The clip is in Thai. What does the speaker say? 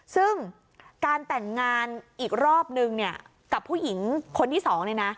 ซึ่งการแต่งงานอีกรอบนึงเนี่ยกับผู้หญิงคนที่สองเนี่ยนะ